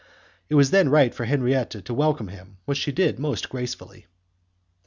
It was then right for Henriette to welcome him, which she did most gracefully.